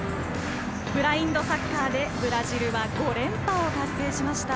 ブラインドサッカーでブラジルは５連覇を達成しました。